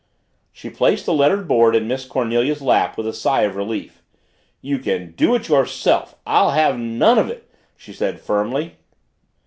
She placed the lettered board in Miss Cornelia's lap with a sigh of relief. "You can do it yourself! I'll have none of it!" she said firmly.